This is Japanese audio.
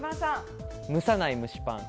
蒸さない蒸しパン。